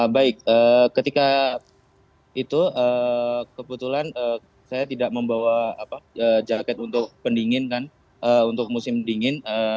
baik ketika itu kebetulan saya tidak membawa jaket untuk pendingin kan untuk musim dingin